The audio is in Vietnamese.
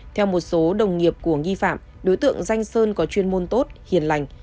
theo một số đồng nghiệp của nghi phạm đối tượng danh sơn có chuyên môn tốt hiền lành